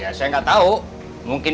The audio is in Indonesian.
ya saya gak tau mungkin